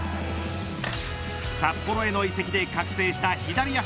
札幌への移籍で覚醒した左足。